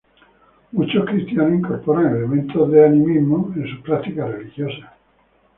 Muchos cristianos incorporan elementos de animismo en sus prácticas religiosas.